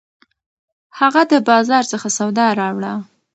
هغه د بازار څخه سودا راوړه